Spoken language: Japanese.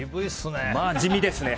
まあ、地味ですね。